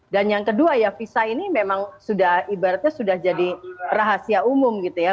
dan yang kedua ya visa ini memang sudah ibaratnya sudah jadi rahasia umum gitu ya